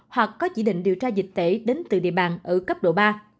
hoặc có chỉ định điều tra dịch tễ đến từ địa bàn ở cấp độ ba